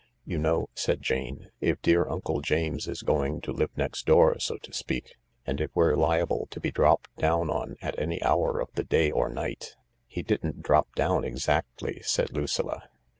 " You know," said Jane, " if dear Uncle James is going to live next door, so to speak, and if we're liable to be dropped down on at any hour of the day or night "" He didn't drop down exactly," said Lucilla.